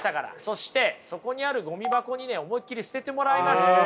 そしてそこにあるごみ箱にね思いっきり捨ててもらいます。